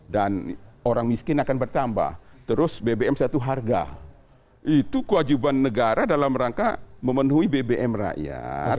dan orang miskin akan bertambah terus bbm satu harga itu kewajiban negara dalam rangka memenuhi bbm rakyat